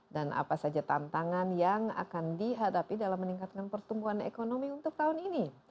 dan apa saja tantangan yang akan dihadapi dalam meningkatkan pertumbuhan ekonomi untuk tahun ini